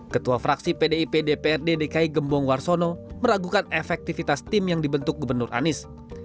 ketua fraksi pdip dprd dki gembong warsono meragukan efektivitas tim yang dibentuk gubernur anies